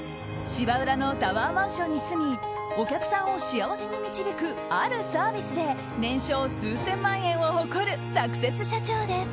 芝浦のタワーマンションに住みお客さんを幸せに導くあるサービスで年商数千万を誇るサクセス社長です。